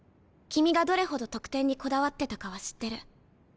君がどれほど得点にこだわってたかは知ってる。